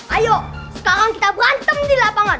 ayo sekarang kita berantem di lapangan